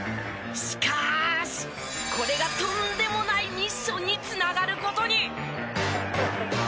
しかしこれがとんでもないミッションに繋がる事に！